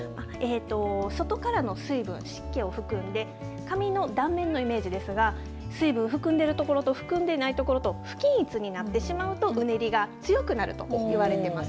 外からの水分、湿気を含んで髪の断面のイメージですが水分含んでいる所と含んでいない所と不均一になってしまうとうねりが強くなると言われています。